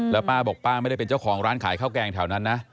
แล้วป้าบอกป้าไม่ได้เป็นเจ้าของร้านขายข้าวแกงแถวนั้นนะ